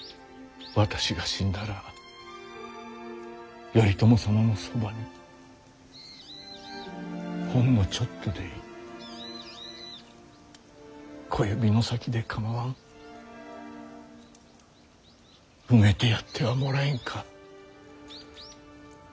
私が死んだら頼朝様のそばにほんのちょっとでいい小指の先で構わん埋めてやってはもらえんか。